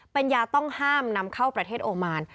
เป็นยาต้องห้ามนำเข้าประเทศโอมาน